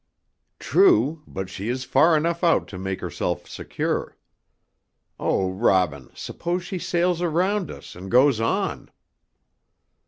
"True, but she is far enough out to make herself secure. Oh, Robin, suppose she sails around us and goes on!"